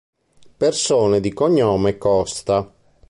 Persone di cognome Costa